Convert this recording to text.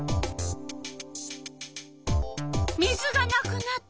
水がなくなった。